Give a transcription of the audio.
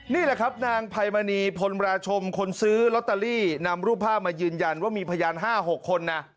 นี่แหละครับนางไพมณีพลราชมคนซื้อลอตเตอรี่นำรูปภาพมายืนยันว่ามีพยาน๕๖คนนะ